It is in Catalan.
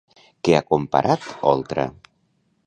Què ha comparat Oltra?